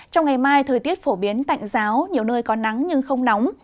trong ngày mai thời tiết phổ biến tạnh giáo nhiều nơi có nắng nhưng không nóng